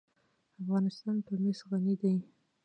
افغانستان په مس غني دی.